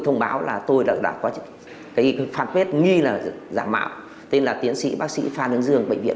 thông báo là tôi đã có cái fanpage nghi là giả mạo tên là tiến sĩ bác sĩ phan ứng dương bệnh viện